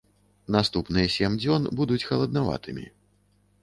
Наступныя сем дзён будуць халаднаватымі.